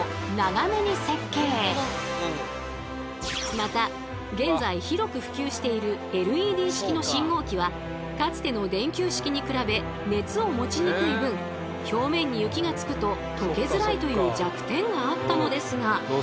また現在広く普及しているＬＥＤ式の信号機はかつての電球式に比べ熱を持ちにくい分表面に雪がつくととけづらいという弱点があったのですが。